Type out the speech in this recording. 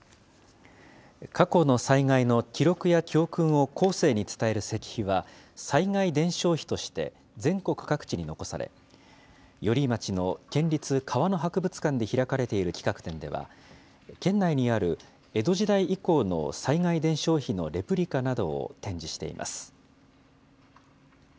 過去の災害の記録や教訓を後世に伝える石碑は、災害伝承碑として、全国各地に残され、寄居町の県立川の博物館で開かれている企画展では、県内にある江戸時代以降の災害伝承碑のレプリカなどを展示しています。